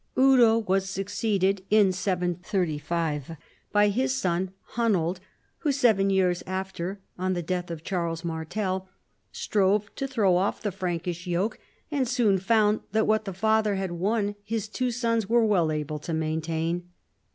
Eudo was succeeded (735) by his son Ilunold, who seven years after, on the death of Charles Martel, strove to throw off the Frankish yoke, but soon found that what the father had won his two sons were well able to main tain.